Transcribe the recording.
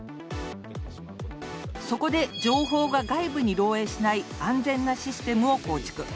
そこで情報が外部に漏えいしない安全なシステムを構築。